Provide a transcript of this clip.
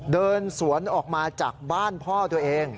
เดินสวนออกมาจากบ้านพ่อตัวเอง